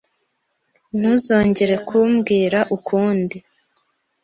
Ntuzongere kumbwira ukundi.